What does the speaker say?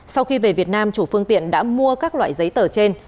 sau khi về việt nam chủ phương tiện đã mua các loại giấy tờ trên